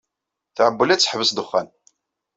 Tɛewwel ad teḥbes ddexxan.